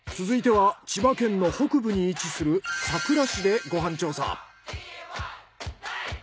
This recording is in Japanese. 続いては千葉県の北部に位置する佐倉市でご飯調査。